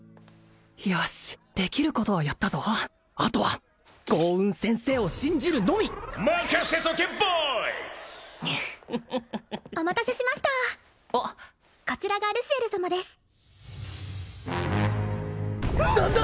よしできることはやったぞあとは豪運先生を信じるのみヌフフフフフあっお待たせしましたこちらがルシエル様です何だ！？